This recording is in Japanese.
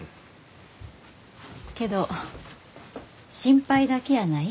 けど心配だけやない。